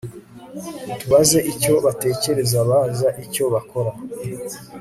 ntubaze icyo batekereza baza icyo bakora